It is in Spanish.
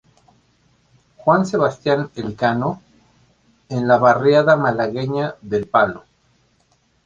Juan Sebastián Elcano, en la barriada malagueña del Palo.